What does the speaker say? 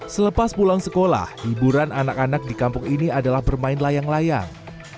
selepas pulang sekolah hiburan anak anak di kampung ini adalah bermain layang layang